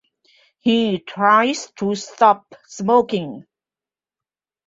He tries to stop smoking.